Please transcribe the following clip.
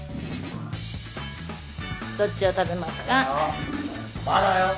・どっちを食べますか？